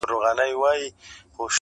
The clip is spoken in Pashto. o چي خوب کوي، د هغو د مېږو نرگټي زېږي٫